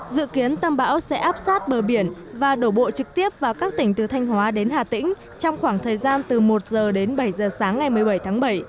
dự kiến tâm bão sẽ áp sát bờ biển và đổ bộ trực tiếp vào các tỉnh từ thanh hóa đến hà tĩnh trong khoảng thời gian từ một h đến bảy giờ sáng ngày một mươi bảy tháng bảy